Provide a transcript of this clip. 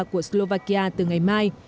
của slovakia từ ngày mai